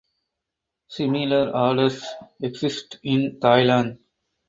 Similar orders exist in Thailand.